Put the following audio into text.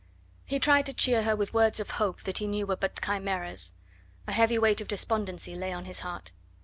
He tried to cheer her with words of hope that he knew were but chimeras. A heavy weight of despondency lay on his heart.